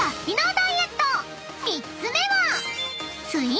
ダイエット３つ目は］